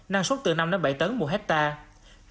năng suất từ năm bảy tấn một hectare